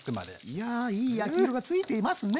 いやいい焼き色が付いていますね！